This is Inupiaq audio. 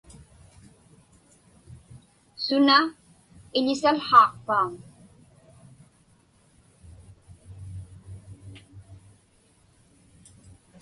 Suna iḷisałhaaqpauŋ?